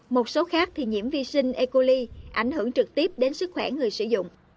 một số khác thì nhiễm vi sinh e coli ảnh hưởng trực tiếp đến sức khỏe người sử dụng